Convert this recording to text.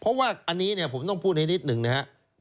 เพราะว่าอันนี้ผมจะต้องพูดให้นิดนึงนะครับ